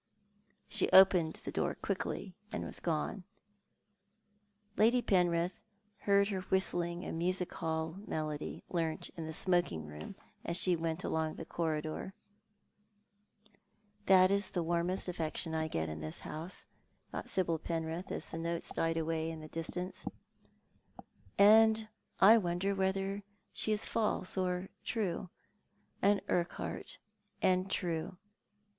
Slio opened the door quickly, and was gone. Lady Penrith heard her whistling a music hall melody, learnt in the smoking room, as she went along the corridor. " That is the warmest affection I get in this house," thought Sibyl Penrith, as the notes died away in the distance. " I wonder whether she is false or true ? An Urquhart, and true